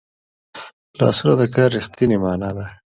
لاسونه د کار رښتینې مانا ده